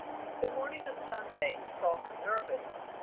The morning of Sunday saw her nervous.